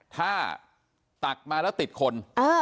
ถ้าตักมาแล้วติดคน